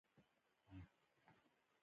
چې د سترګو په وړاندې مې مړواې کيږي.